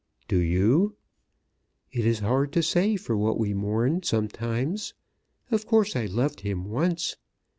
"Do you?" "It is hard to say for what we mourn sometimes. Of course I loved him once.